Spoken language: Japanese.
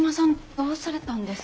どうされたんです？